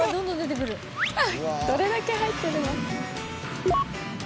「どれだけ入ってるの？」